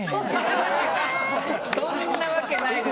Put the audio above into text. そんなわけないですよ！